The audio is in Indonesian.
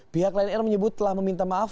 pihak lion air menyebut telah meminta maaf